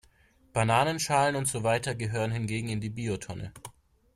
Bananenschalen und so weiter gehören hingegen in die Biotonne.